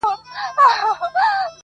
• ستا به هم بلا ګردان سمه نیازبیني,